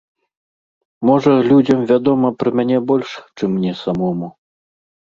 Можа, людзям вядома пра мяне больш, чым мне самому.